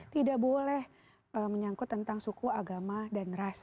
tidak boleh menyangkut tentang suku agama dan ras